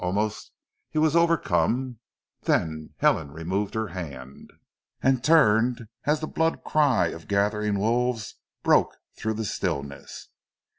Almost he was overcome, then Helen removed her hand, and turned as the blood cry of gathering wolves broke through the stillness.